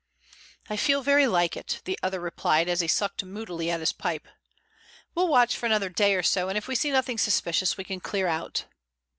"I feel very like it," the other replied as he sucked moodily at his pipe. "We'll watch for another day or so, and if we see nothing suspicious we can clear out."